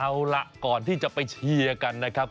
เอาล่ะก่อนที่จะไปเชียร์กันนะครับ